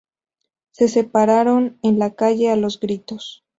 Se separaron en la calle, a los gritos.